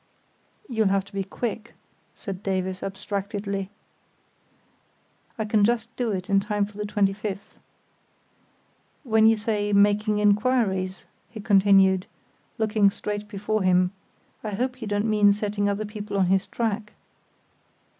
"You'll have to be quick," said Davies, abstractedly. "I can just do it in time for the 25th." "When you say 'making inquiries'," he continued, looking straight before him, "I hope you don't mean setting other people on his track?"